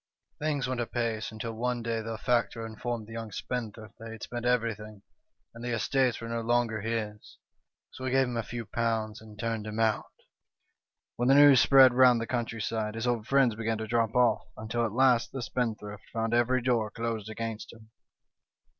" Things went apace, until one day the factor in formed the young spendthrift that he had spent everything, and the estates were no longer his, so he gave him a few pounds, and turned him out. The Story of John d 1 Groats. 63 "When the news spread round the countryside his old friends began to drop off, until at last the spendthrift found every door closed against him.